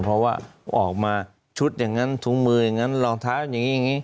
เพราะว่าออกมาชุดอย่างนั้นถุงมืออย่างนั้นรองเท้าอย่างนี้อย่างนี้